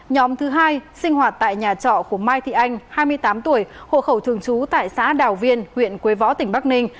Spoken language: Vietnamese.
nhóm thứ hai sinh hoạt tại nhà trọ của mai thị anh hai mươi tám tuổi hộ khẩu thường trú tại xã đào viên huyện quế võ tỉnh bắc ninh